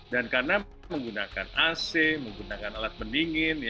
dan karena menggunakan ac menggunakan alat pendingin